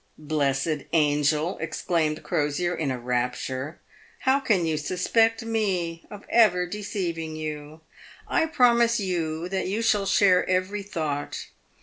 " Blessed angel!" exclaimed Crosier, in a rapture, " how can you suspect me of ever deceiving you ? I promise you that you shall share every thought.